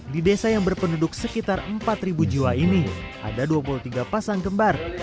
di desa yang berpenduduk sekitar empat jiwa ini ada dua puluh tiga pasang kembar